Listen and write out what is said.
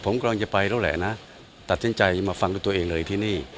ผมกำลังจะไปแล้วแหละนะตัดสินใจมาฟังด้วยตัวเองเลยที่นี่